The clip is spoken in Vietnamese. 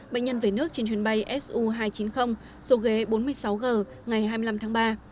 bệnh nhân về nước trên chuyến bay su hai trăm chín mươi số ghế bốn mươi sáu g ngày hai mươi năm tháng ba